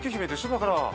だから。